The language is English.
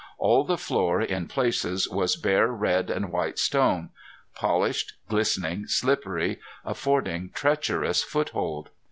All the floor, in places, was bare red and white stone, polished, glistening, slippery, affording treacherous foothold.